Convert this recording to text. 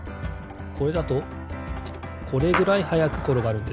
これだとこれぐらいはやくころがるんです。